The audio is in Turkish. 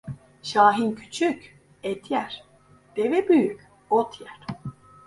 Şahin küçük, et yer; deve büyük, ot yer.